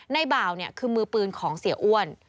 นายบ่าวเนี่ยคือมือปืนของเสียอ้วน